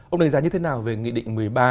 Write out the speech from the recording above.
ông đánh giá như thế nào về nghị định một mươi ba